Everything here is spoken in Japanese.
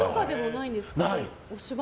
ないんです。